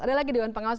ada lagi dewan pengawas